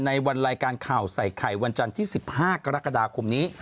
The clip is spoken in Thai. ในวันรายการข่าวใส่ไข่วันจันทร์ที่๑๕กรกฎาคมนี้